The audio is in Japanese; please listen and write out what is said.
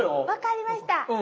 分かりました。